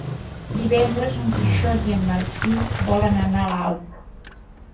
Divendres en Quixot i en Martí volen anar a Alp.